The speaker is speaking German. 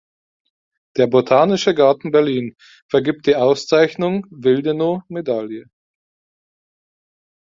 Der Botanische Garten Berlin vergibt die Auszeichnung "Willdenow-Medaille".